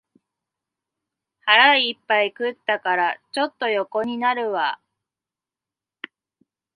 腹いっぱい食ったから、ちょっと横になるわ